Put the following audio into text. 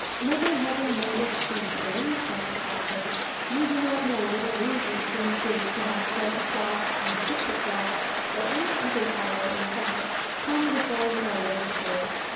"Never having mended shoes, then," said the cobbler, "you do not know what a grievous thing it is to have twelve o'clock, or six o'clock, or any other hour, in fact, come before you are ready for it.